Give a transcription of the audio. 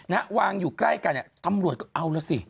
นะฮะวางอยู่ใกล้กันเนี่ยตำรวจก็เอาแล้วสิ